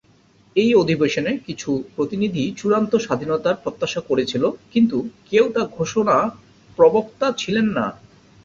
এই অধিবেশনে কিছু প্রতিনিধি চূড়ান্ত স্বাধীনতার প্রত্যাশা করেছিল কিন্তু কেউ তা ঘোষণার প্রবক্তা ছিলেন না।